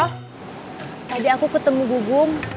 tadi aku ketemu gugum